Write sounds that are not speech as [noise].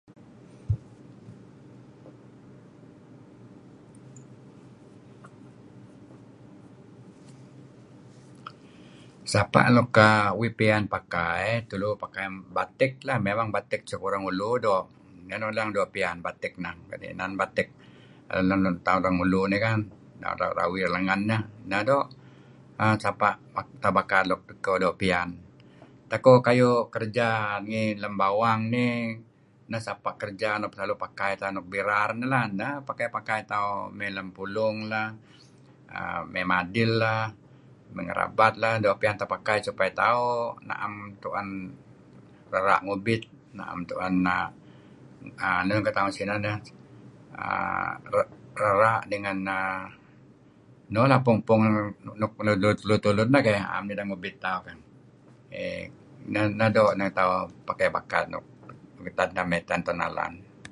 [silence] Sapa' luk uhm uih piyan pakai tulu pakai batik lah mimang batik suk Orang Ulu doo' nih leng-doo' piyan batik, kadi' inan batik tauh Orang Ulu kan? Nuk doo' rawir lengan, neh doo'. Sapa' atau bakad nuk iko doo' piyan tak ko kayu' kerja ngi lem bawang nih neh sapa' kerja nuk selalu tauh pakai tauh nuk birar neh-neh selalu pakai tauh may lem pulung lah, may madil lah, may ngerabat lah doo' piyan tauh pakai sapa' supaya tauh naem tuen rera' ngubit naem tuen, enun ken tauh ngen sineh neh? uhm rera' dengan uhm enun apung-apung nuk tulud-tulud neh keh? Naem neh idah ngubit tauh keh, neh doo' itan tauh pakai bakad renga' tauh nalan.